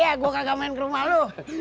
ya gue kagak main ke rumah lo